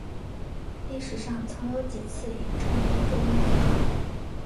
历史上曾有几次以正德作为年号。